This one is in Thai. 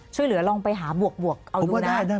ช่วยเหลือลองไปหาบวกเอาดูนะ